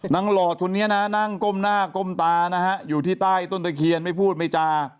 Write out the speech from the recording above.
หลอดคนนี้นะนั่งก้มหน้าก้มตานะฮะอยู่ที่ใต้ต้นตะเคียนไม่พูดไม่จา